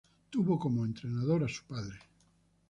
Tuvo como entrenador a su padre.